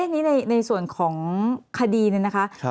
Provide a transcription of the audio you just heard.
นี่ในส่วนของคดีนี่นะคะ